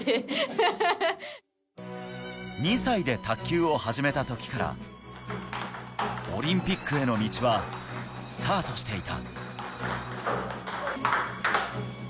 ２歳で卓球を始めた時からオリンピックへの道はスタートしていた。